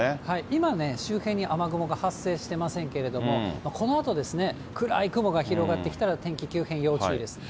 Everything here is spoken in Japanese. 今ね、周辺に雨雲が発生してませんけれども、このあと、暗い雲が広がってきたら、天気急変要注意です。